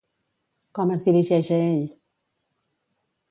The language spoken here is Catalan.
Com es dirigeix a ell?